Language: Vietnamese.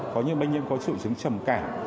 có những bệnh nhân có triệu chứng trầm cảm